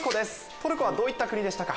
トルコはどういった国でしたか？